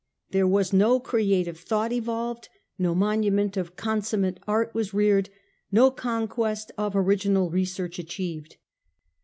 There was no creative thought evolved, no monument of consummate art was reared, no conquest of original research achieved.